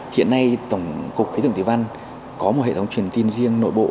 hiện nay tổng cục kế tưởng thứ văn có một hệ thống truyền tin riêng nội bộ